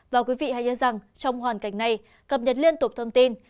và quý vị hãy nhớ rằng trong hoàn cảnh này cập nhật liên tục thông tin